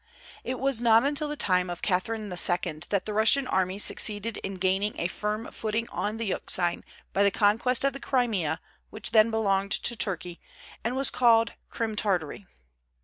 It was not until the time of Catherine II. that the Russian armies succeeded in gaining a firm footing on the Euxine by the conquest of the Crimea, which then belonged to Turkey, and was called Crim Tartary.